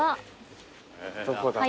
どこだ？